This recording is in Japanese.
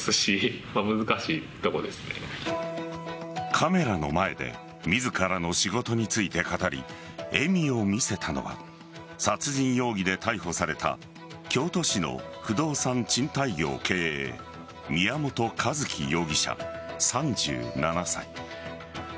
カメラの前で自らの仕事について語り笑みを見せたのは殺人容疑で逮捕された京都市の不動産賃貸業経営宮本一希容疑者、３７歳。